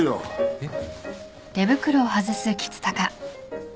えっ？